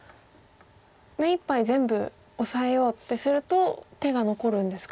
目いっぱい全部オサえようってすると手が残るんですか。